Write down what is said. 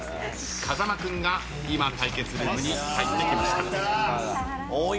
風間君が今対決ルームに入ってきました。